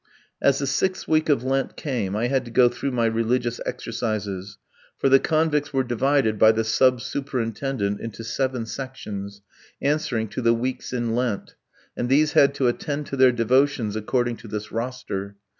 As the sixth week of Lent came I had to go through my religious exercises, for the convicts were divided by the sub superintendent into seven sections answering to the weeks in Lent and these had to attend to their devotions according to this roster.